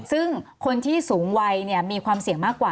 ซึ่งคนที่สูงวัยมีความเสี่ยงมากกว่า